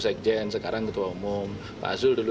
sekjen sekarang ketua umum pak azul